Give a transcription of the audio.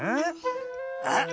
あっ！